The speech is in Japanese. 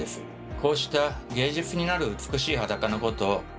こうした芸術になる美しい裸のことを「ヌード」といいます。